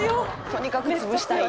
とにかく潰したい」